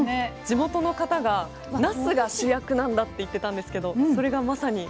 地元の方がなすが主役なんだって言ってたんですけどそれがまさに。